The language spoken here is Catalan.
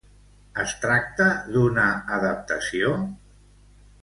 Es tracta d'una adaptació?